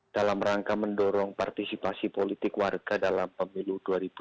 dalam rangka mendorong partisipasi politik warga dalam pemilu dua ribu dua puluh